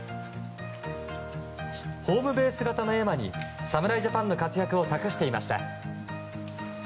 ホームベース形の絵馬に侍ジャパンの活躍を託していました。